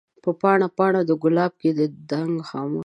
په پاڼه ، پاڼه دګلاب کښي د نګهت خاموشی